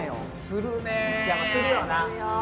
するよな。